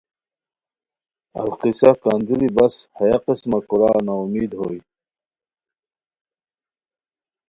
القصہ کندوری بس ہیہ قسمہ کوراؤ ناامید ہوئے